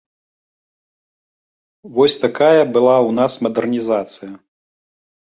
Вось такая была ў нас мадэрнізацыя.